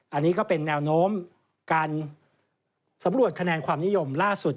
อันนี้ก็เป็นแนวโน้มการสำรวจคะแนนความนิยมล่าสุด